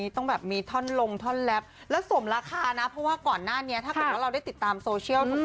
ต้องแบบมีท่อนลงท่อนแล็บแล้วสมราคานะเพราะว่าก่อนหน้านี้ถ้าเกิดว่าเราได้ติดตามโซเชียล